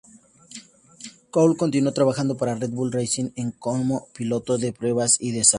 Coulthard continuó trabajando para Red Bull Racing en como piloto de pruebas y desarrollo.